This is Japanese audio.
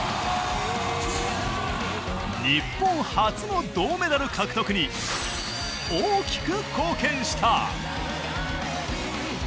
日本初の銅メダル獲得に大きく貢献した。